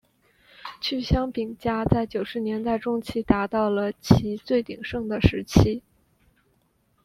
趣香饼家在九十年代中期达到了其最鼎盛的时期。